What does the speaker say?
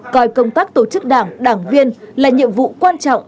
coi công tác tổ chức đảng đảng viên là nhiệm vụ quan trọng